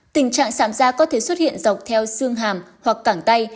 tình trạng sạm da có thể xuất hiện dọc theo xương hàm hoặc cản tay